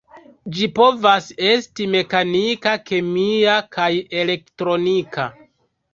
Ĝi povas esti mekanika, kemia kaj elektronika.